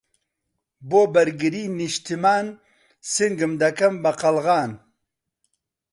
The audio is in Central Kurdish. بۆ بەرگریی نیشتمان، سنگم دەکەم بە قەڵغان